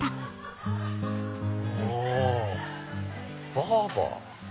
「バーバー」。